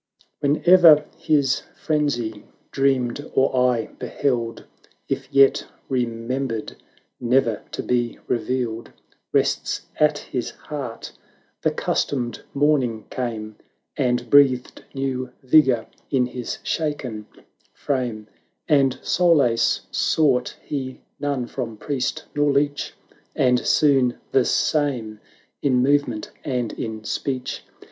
Whate'er his frenzy dreamed or eye beheld, — If yet remembered ne'er to be re vealed, — Rests at his heart: the customed morn ing came. And breathed new vigour in his shaken frame; 250 And solace sought he none from priest nor leech, And soon the same in movement and in speech.